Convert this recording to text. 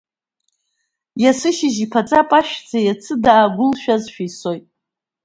Есышьыжь иԥаҵа пашәӡа, иацы даагәылшәазшәа, исоит.